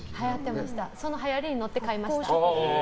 そのはやりに乗って買いました。